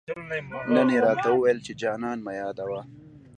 نن يې راته وويل، چي جانان مه يادوه